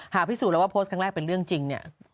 พิสูจนแล้วว่าโพสต์ครั้งแรกเป็นเรื่องจริงเนี่ย